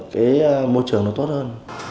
cái môi trường nó tốt hơn